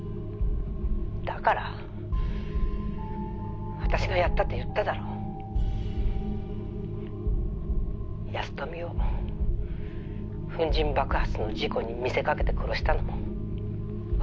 「だから私がやったって言っただろう」「保富を粉塵爆発の事故に見せかけて殺したのも私だよ」